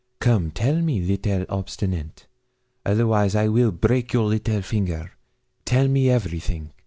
Come tell me, little obstinate, otherwise I will break your little finger. Tell me everything.'